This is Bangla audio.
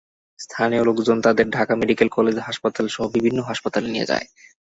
স্থানীয় লোকজন তাঁদের ঢাকা মেডিকেল কলেজ হাসপাতালসহ বিভিন্ন হাসপাতালে নিয়ে যায়।